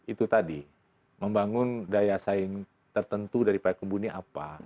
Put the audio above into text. itu tadi membangun daya saing tertentu dari payakumbu ini apa